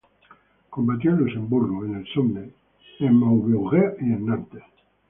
Combatió en Luxemburgo, en el Somme, en Maubeuge y Nantes.